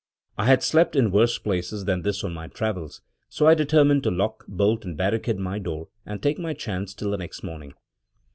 I had slept in worse places than this on my travels; so I determined to lock, bolt, and barricade my door, and take my chance till the next morning.